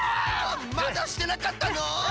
まだしてなかったの？